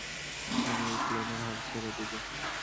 আমি এই প্লেনের হাল ছেড়ে দিবো!